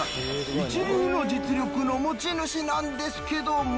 一流の実力の持ち主なんですけども。